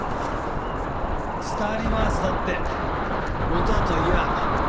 スターリバーズだって元はといやあ星川